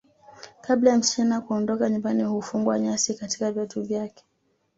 Kabla ya msichana kuondoka nyumbani hufungwa nyasi katika viatu vyake